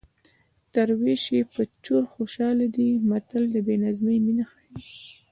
تر وېش یې په چور خوشحاله دی متل د بې نظمۍ مینه ښيي